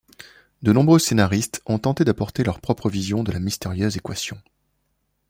De nombreux scénaristes ont tenté d'apporter leur propre vision de la mystérieuse équation.